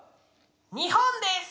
日本です！